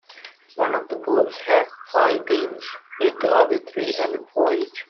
One of the groups had five teams, with the other three having four each.